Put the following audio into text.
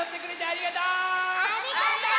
ありがとう！